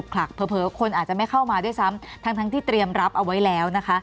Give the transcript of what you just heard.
ผลักเผลอคนอาจจะไม่เข้ามาด้วยซ้ำทั้งที่เตรียมรับเอาไว้แล้วนะคะ